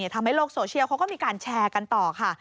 ทำให้โลกโซเชียลเขาก็มีการแชร์กันต่อค่ะ